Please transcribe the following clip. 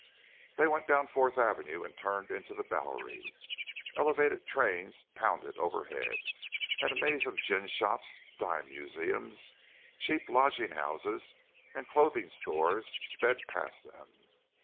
They went down Fourth Avenue and turned into the Bowery. Elevated trains pounded overhead, and a maze of gin shops, dime museums, cheap lodging houses, and clothing stores sped past them.